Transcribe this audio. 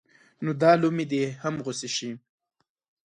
نو دا لومې دې هم غوڅې شي.